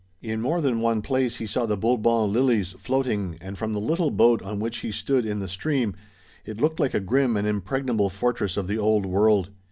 In more than one place he saw the Bourbon lilies floating and from the little boat on which he stood in the stream it looked like a grim and impregnable fortress of the Old World.